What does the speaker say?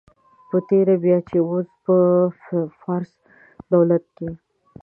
په تېره بیا چې اوس په فارس دولت کې.